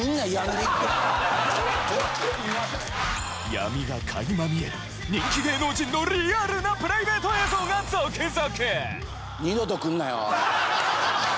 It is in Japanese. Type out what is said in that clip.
闇が垣間見える人気芸能人のリアルなプライベート映像が続々！